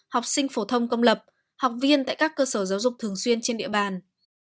học sinh phổ thông công lập học viên tại các cơ sở giáo dục thường xuyên trên địa bàn